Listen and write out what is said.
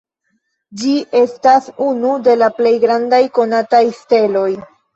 Ĝi estas unu de la plej grandaj konataj steloj.